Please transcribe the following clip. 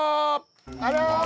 あら！